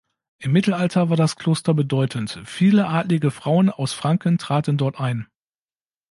Im Mittelalter war das Kloster bedeutend, viele adlige Frauen aus Franken traten dort ein.